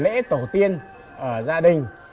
lễ tổ tiên ở gia đình